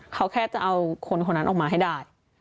เขาแค่จะเอาคนคนนั้นออกมาให้ได้